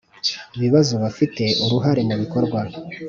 bibazo abafite uruhare mu bikorwa